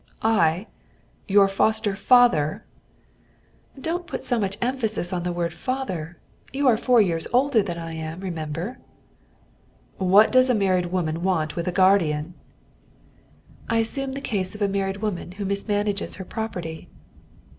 "I? Your foster father?" "Don't put so much emphasis on the word father. You are four years older than I am, remember." "What does a married woman want with a guardian?" "I assume the case of a married woman who mismanages her property."